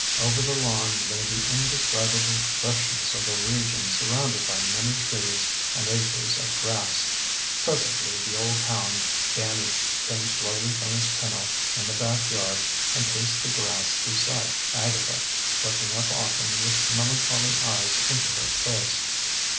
Over the lawn lay the indescribable freshness of a region surrounded by many trees and acres of grass. Presently the old hound, Danny, came slowly from his kennel in the back yard, and paced the grass beside Agatha, looking up often with melancholy eyes into her face.